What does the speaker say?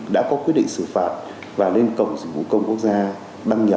đã có quyết định xử phạt và lên cổng dịch vụ công quốc gia